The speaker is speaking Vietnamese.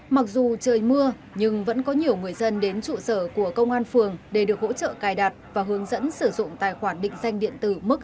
mặc dù trời mưa nhưng vẫn có nhiều người dân đến trụ sở của công an phường để được hỗ trợ cài đặt và hướng dẫn sử dụng tài khoản định danh điện tử mức hai